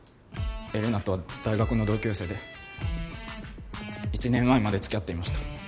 エレナとは大学の同級生で１年前まで付き合っていました。